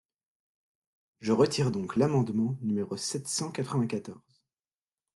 Je retire donc l’amendement numéro sept cent quatre-vingt-quatorze.